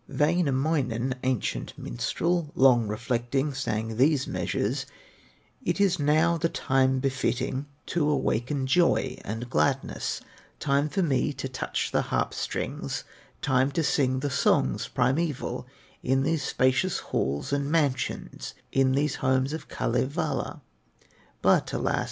Wainamoinen, ancient minstrel, Long reflecting, sang these measures: "It is now the time befitting To awaken joy and gladness, Time for me to touch the harp strings, Time to sing the songs primeval, In these spacious halls and mansions, In these homes of Kalevala; But, alas!